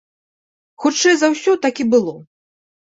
Хутчэй за ўсё, так і было.